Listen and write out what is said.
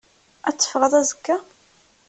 Ad teffɣeḍ azekka?